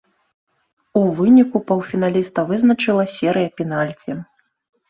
У выніку паўфіналіста вызначыла серыя пенальці.